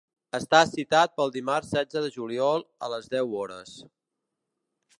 Està citat pel dimarts setze de juliol a les deu hores.